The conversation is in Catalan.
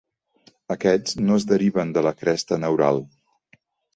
Aquests no es deriven de la cresta neural.